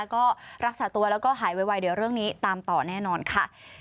ก็รักษาตัวแล้วก็หายไวเดี๋ยวเรื่องนี้ตามต่อแน่นอนค่ะ